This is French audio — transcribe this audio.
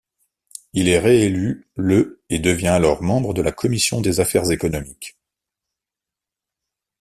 Il est réélu le et devient alors membre de la commission des affaires économiques.